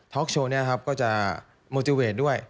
ท็อกโชว์เนี่ยครับก็จะโมทิเวทด้วย